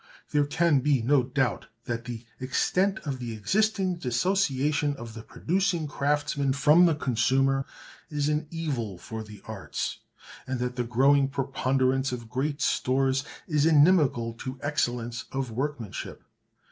There can be no doubt that the extent of the existing dissociation of the producing craftsman from the consumer is an evil for the arts, and that the growing preponderance of great stores is inimical to excellence of workmanship.